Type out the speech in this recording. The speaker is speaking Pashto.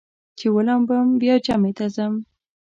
چې ولامبم بیا جمعې ته ځم.